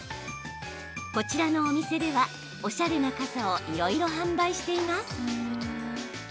こちらのお店では、おしゃれな傘をいろいろ販売しています。